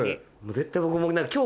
絶対僕も。